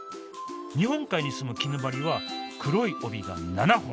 日本海に住むキヌバリは黒い帯が７本。